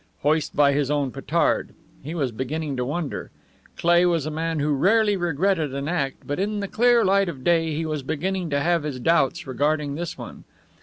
Hoist by his own petard. He was beginning to wonder. Cleigh was a man who rarely regretted an act, but in the clear light of day he was beginning to have his doubts regarding this one.